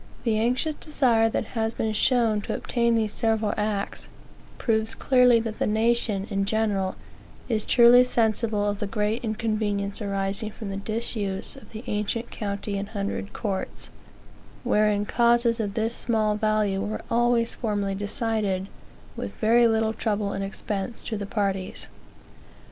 "The anxious desire that has been shown to obtain these several acts, proves clearly that the nation, ingeneral, is truly sensible of the great inconvenience arising from the disuse of the ancient county and hundred courts, wherein causes of this small value were always formerly decided with very little trouble and expense to the parties.